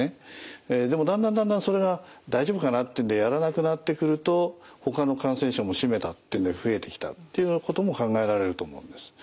でもだんだんだんだんそれが大丈夫かなっていうんでやらなくなってくるとほかの感染症も「しめた！」っていうんで増えてきたっていうようなことも考えられると思うんです。